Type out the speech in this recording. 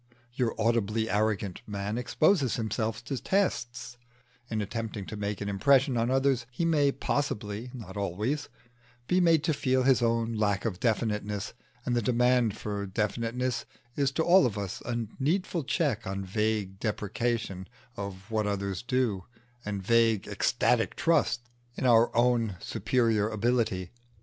Your audibly arrogant man exposes himself to tests: in attempting to make an impression on others he may possibly (not always) be made to feel his own lack of definiteness; and the demand for definiteness is to all of us a needful check on vague depreciation of what others do, and vague ecstatic trust in our own superior ability.